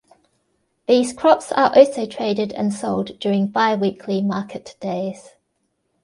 These crops are also traded and sold during bi-weekly market days.